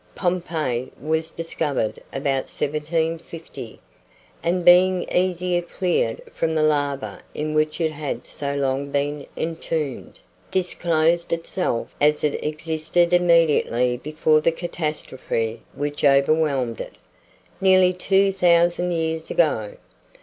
Pompeii was discovered about 1750, and being easier cleared from the lava in which it had so long been entombed, disclosed itself as it existed immediately before the catastrophe which overwhelmed it, nearly two thousand years ago.